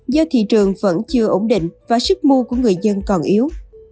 do thị trường vẫn chưa ổn định và sức mua của người dân còn yếu